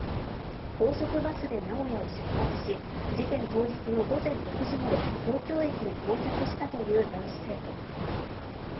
高速バスで名古屋を出発し、事件当日の午前６時ごろ東京駅に到着したという男子生徒。